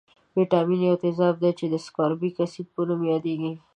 ویتامین یو تیزاب دی چې د سکاربیک اسید په نوم یادیږي.